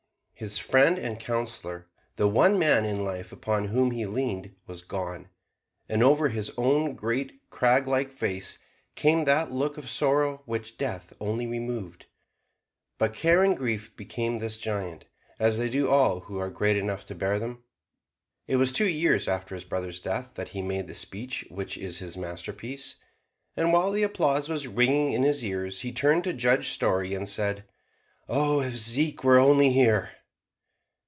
His friend and counselor, the one man in life upon whom he leaned, was gone, and over his own great, craglike face came that look of sorrow which death only removed. But care and grief became this giant, as they do all who are great enough to bear them. It was two years after his brother's death that he made the speech which is his masterpiece. And while the applause was ringing in his ears he turned to Judge Story and said, "Oh, if Zeke were only here!"